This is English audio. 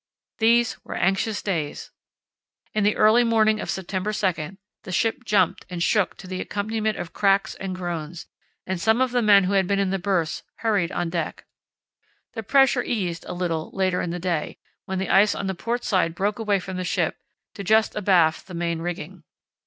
These were anxious days. In the early morning of September 2 the ship jumped and shook to the accompaniment of cracks and groans, and some of the men who had been in the berths hurried on deck. The pressure eased a little later in the day, when the ice on the port side broke away from the ship to just abaft the main rigging.